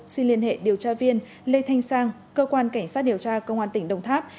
xin liên hệ điều tra viên lê thanh sang cơ quan cảnh sát điều tra công an tỉnh đồng tháp